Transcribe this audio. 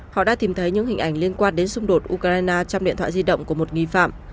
họ đã tìm thấy những hình ảnh liên quan đến xung đột ukraine trong điện thoại di động của một nghi phạm